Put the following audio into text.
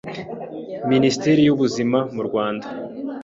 minisiteri y'ubuzima mu Rwanda